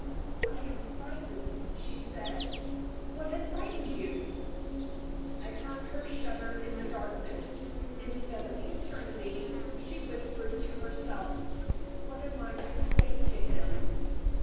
"I am frightened," she said. "What has frightened you?" I heard her shudder in the darkness. Instead of answering me, she whispered to herself: "What am I to say to him?"